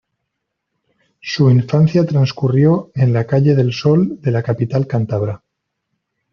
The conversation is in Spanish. Su infancia transcurrió en la calle del Sol de la capital cántabra.